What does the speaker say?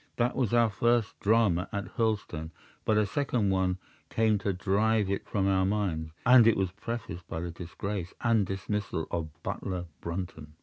That was our first drama at Hurlstone; but a second one came to drive it from our minds, and it was prefaced by the disgrace and dismissal of butler Brunton.